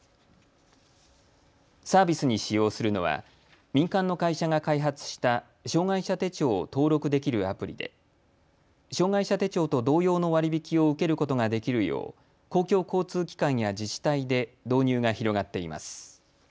サービスに使用するのは民間の会社が開発した障害者手帳を登録できるアプリで障害者手帳と同様の割り引きを受けることができるよう公共交通機関や自治体で導入が広がっています。